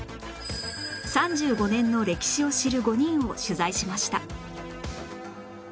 ３５年の歴史を知る５人を取材しました